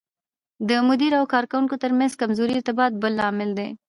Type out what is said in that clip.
د مدیر او کارکوونکو ترمنځ کمزوری ارتباط بل لامل دی.